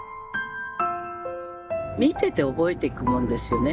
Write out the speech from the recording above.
見てて覚えていくもんですよね。